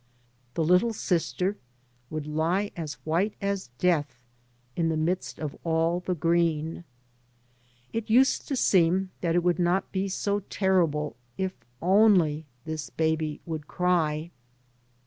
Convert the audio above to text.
The little sister would lie as white as death in the midst of alt the green. It used to seem that it would not be so terrible if only this baby would cry.